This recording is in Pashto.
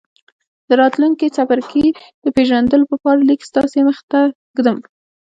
د راتلونکي څپرکي د پېژندلو په پار ليک ستاسې مخې ته ږدم.